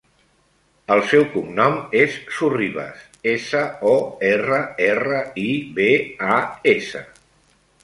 El seu cognom és Sorribas: essa, o, erra, erra, i, be, a, essa.